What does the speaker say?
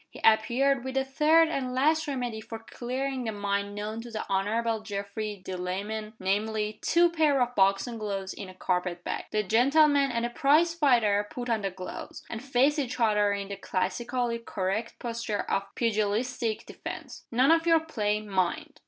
He appeared with the third and last remedy for clearing the mind known to the Honorable Geoffrey Delamayn namely, two pair of boxing gloves in a carpet bag. The gentleman and the prize fighter put on the gloves, and faced each other in the classically correct posture of pugilistic defense. "None of your play, mind!"